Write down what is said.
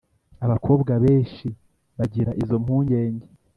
Abakobwa benshi bagira izo mpungenge